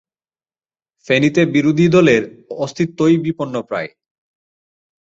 ফেনীতে বিরোধী দলের অস্তিত্বই বিপন্নপ্রায়।